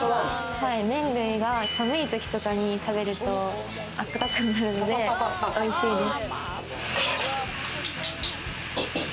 麺類は寒いときとかに食べるとあったかくなるので、おいしいです。